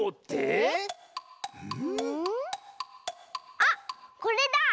あっこれだ！